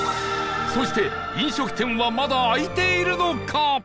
そして飲食店はまだ開いているのか？